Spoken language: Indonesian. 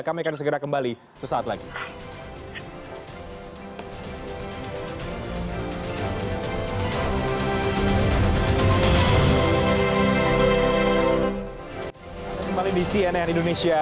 kami akan segera kembali sesaat lagi